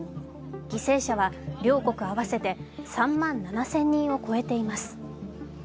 犠牲者は両国合わせて３万７０００人を超えています。